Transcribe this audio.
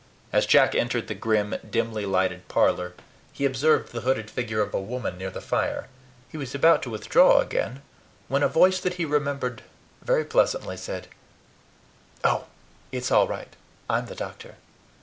As Jack entered the grim, dimly lighted parlor, he observed the hooded figure of a woman near the fire. He was about to withdraw again when a voice that he remembered very pleasantly said: "Oh, it's all right! I'm the doctor."